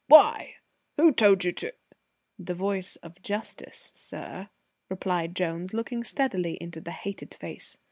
"Why? Who told you to ?" "The voice of Justice, sir," replied Jones, looking steadily into the hated face.